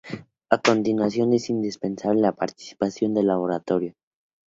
A continuación es indispensable la participación del laboratorio.